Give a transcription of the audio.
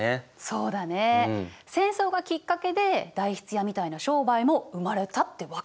そうだね戦争がきっかけで代筆屋みたいな商売も生まれたってわけ。